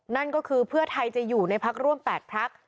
นั่นก็คือเพื่อไทยจะอยู่ในพักร่วม๘พัก